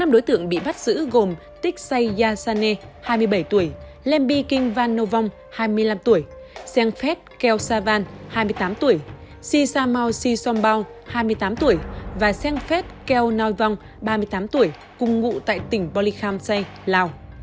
năm đối tượng bị bắt giữ gồm tích xây gia sa nê hai mươi bảy tuổi lêm bi kinh van nô vong hai mươi năm tuổi seng phét kheo sa van hai mươi tám tuổi si sa mau si son bao hai mươi tám tuổi và seng phét kheo noi vong ba mươi tám tuổi cùng ngụ tại tỉnh polikham say lào